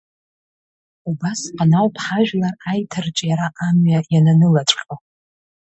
Убасҟан ауп ҳажәлар аиҭарҿиара амҩа иананылаҵәҟьо.